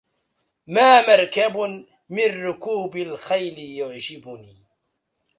ما مركب من ركوب الخيل يعجبني